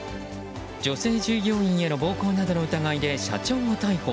女性従業員への暴行などの疑いで社員を逮捕。